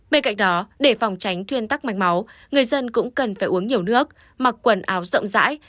bên cạnh đó để phòng tránh thuyên tắc mạch máu người dân cũng cần phải uống nhiều nước mặc quần áo rộng rãi